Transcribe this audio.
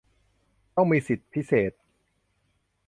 ต้องมีสิทธิพิเศษ